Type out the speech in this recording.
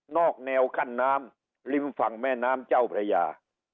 อกแนวกั้นน้ำริมฝั่งแม่น้ำเจ้าพระยา